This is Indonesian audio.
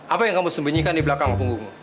apa yang kamu sembunyikan di belakang punggungmu